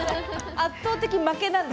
圧倒的負けなんで。